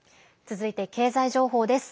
続いて経済情報です。